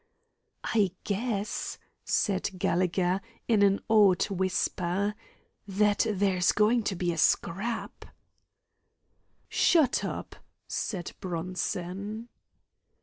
"I guess," said Gallegher, in an awed whisper, "that there's going to be a scrap." "Shut up," said Bronson.